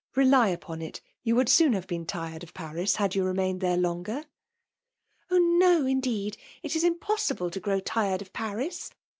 ''B^y upon it you would have soon been tired of Paris, had you remained there longer.*' Oh I no, indeed ;— it is impossible to grow tired of Paris.